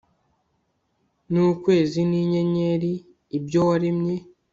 n ukwezi n inyenyeri ibyo waremye